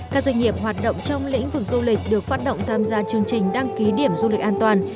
các doanh nghiệp hoạt động trong lĩnh vực du lịch được phát động tham gia chương trình đăng ký điểm du lịch an toàn